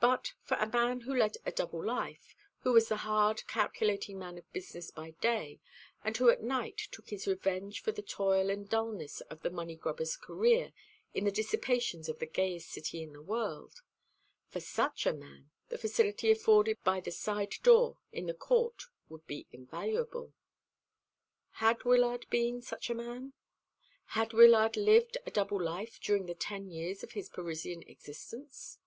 But for a man who led a double life, who was the hard calculating man of business by day, and who at night took his revenge for the toil and dulness of the money grubber's career in the dissipations of the gayest city in the world for such a man the facility afforded by the side door in the court would be invaluable. Had Wyllard been such a man? Had Wyllard lived a double life during the ten years of his Parisian existence?